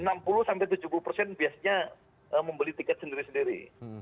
enam puluh sampai tujuh puluh persen biasanya membeli tiket sendiri sendiri